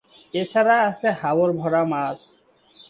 এছাড়া আছে হাওর ভরা মাছ।